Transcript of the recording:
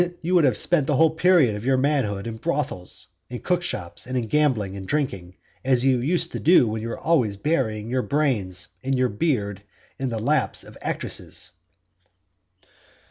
You would have spent the whole period of your manhood in brothels, and cookshops, and in gambling and drinking, as you used to do when you were always burying your brains and your beard in the laps of actresses.